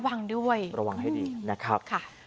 ระวังด้วยค่ะคุณผู้ชมครับ